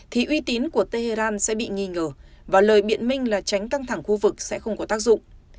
thì uy tín của tehran sẽ bị nghi ngờ và lời biện minh là tránh căng thẳng khu vực sẽ không có tác dụng